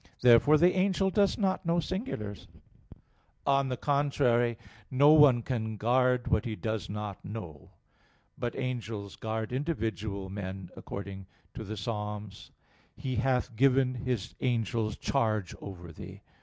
Therefore the angel does not know singulars. On the contrary, No one can guard what he does not know. But angels guard individual men, according to Ps. 90:11: "He hath given His angels charge over Thee."